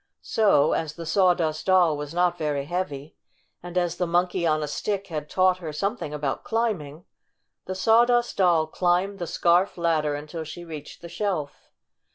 So, as the Sawdust Doll was not very heavy, and as the Monkey on a Stick had taught her something about climbing, the Sawdust Doll climbed the scarf ladder until she reached the shelf.